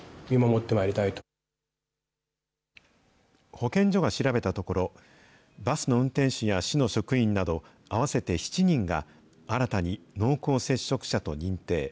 保健所が調べたところ、バスの運転手や市の職員など合わせて７人が、新たに濃厚接触者と認定。